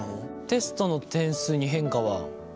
テストの点数に変化は？